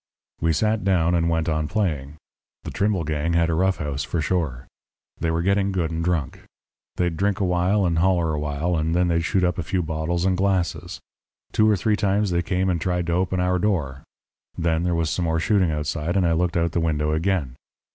"We sat down and went on playing. The Trimble gang had a roughhouse for sure. They were getting good and drunk. They'd drink a while and holler a while, and then they'd shoot up a few bottles and glasses. Two or three times they came and tried to open our door. Then there was some more shooting outside, and I looked out the window again.